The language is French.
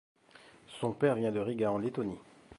Son père vient de Riga en Lettonie.